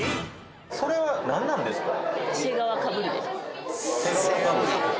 それは何なんですか？